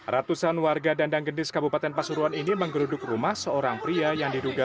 ratusan warga dandang gendis kabupaten pasuruan ini menggeruduk rumah seorang pria yang diduga